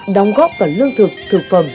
đóng góp cả lương thực thực phẩm